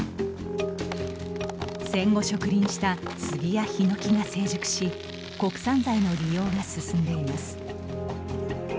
戦後、植林した杉やひのきが成熟し国産材の利用が進んでいます。